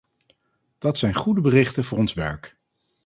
Dat zijn goede berichten voor ons werk.